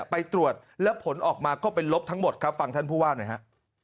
ไปตรวจแล้วผลออกมาก็เป็นลบทั้งหมดครับฟังท่านผู้ว่าหน่อยฮะ